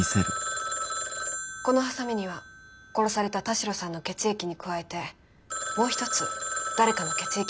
このハサミには殺された田代さんの血液に加えてもう一つ誰かの血液がついていました。